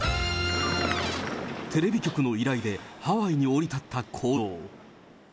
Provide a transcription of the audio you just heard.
テレビ局の依頼で、ハワイに降り立った公造。